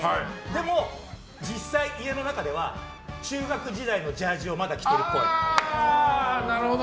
でも、実際の家の中では中学時代のジャージーをなるほど！